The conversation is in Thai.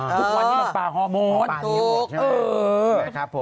ฮอร์โมนที่มันปลาฮอร์โมนถูกเออคุณแม่